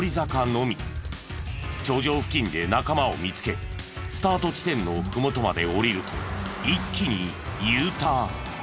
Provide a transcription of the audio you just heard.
頂上付近で仲間を見つけスタート地点の麓まで下りると一気にＵターン。